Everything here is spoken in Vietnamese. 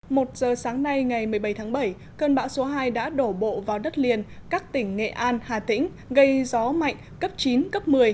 một giờ sáng nay ngày một mươi bảy tháng bảy cơn bão số hai đã đổ bộ vào đất liền các tỉnh nghệ an hà tĩnh gây gió mạnh cấp chín cấp một mươi